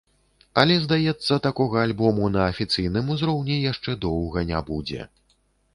Але, здаецца, такога альбому на афіцыйным узроўні яшчэ доўга не будзе.